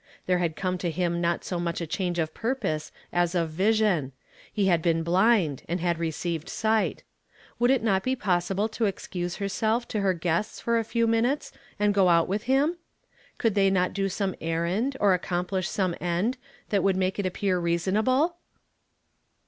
There had come to him not so much a change of purpose as of vision. He had been blind, and hud received sight. Would it not be possible to excuse herself to hci gueso; for a few minutes and go out with him? Could they not (i • some errand, or accomplish some end, that w «uld make it appear reasonable?